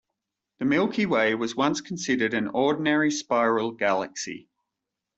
The Milky Way was once considered an ordinary spiral galaxy.